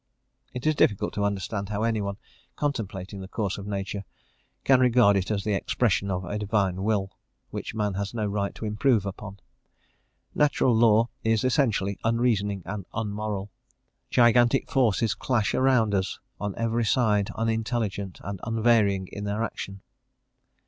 It is difficult to understand how anyone, contemplating the course of nature, can regard it as the expression of a Divine will, which man has no right to improve upon. Natural law is essentially unreasoning and unmoral: gigantic forces clash around us on every side unintelligent, and unvarying in their action.